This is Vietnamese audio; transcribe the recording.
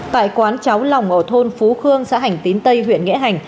tại quán cháu lòng ở thôn phú khương xã hành tín tây huyện nghĩa hành